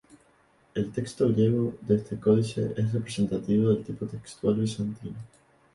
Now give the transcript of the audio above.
El texto griego de este códice es representativo del tipo textual bizantino.